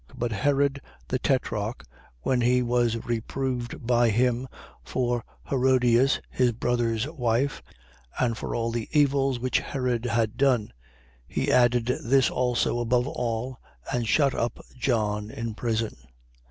3:19. But Herod the tetrarch, when he was reproved by him for Herodias, his brother's wife, and for all the evils which Herod had done: 3:20. He added this also above all and shut up John in prison.